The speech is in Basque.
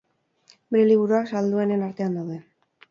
Bere liburuak salduenen artean daude.